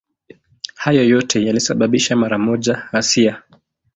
Hayo yote yalisababisha mara moja ghasia.